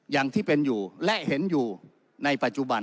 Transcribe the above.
อย่างที่เป็นอยู่และเห็นอยู่ในปัจจุบัน